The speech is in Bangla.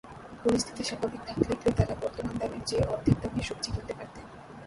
পরিস্থিতি স্বাভাবিক থাকলে ক্রেতারা বর্তমান দামের চেয়ে অর্ধেক দামে সবজি কিনতে পারতেন।